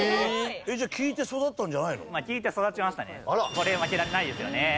これ負けられないですよね。